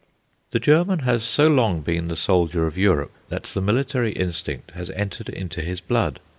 The German has so long been the soldier of Europe, that the military instinct has entered into his blood.